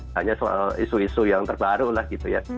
hanya soal isu isu yang terbaru lah gitu ya